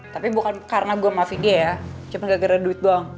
tapi bukan karena gue maafin dia ya cuma gara gara duit doang